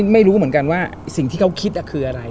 ไม่รู้เหมือนกันว่าสิ่งที่เขาคิดคืออะไร